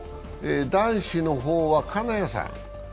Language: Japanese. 男子の方は金谷さん。